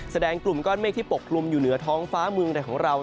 กลุ่มก้อนเมฆที่ปกกลุ่มอยู่เหนือท้องฟ้าเมืองไทยของเรา